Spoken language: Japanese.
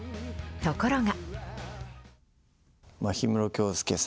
ところが。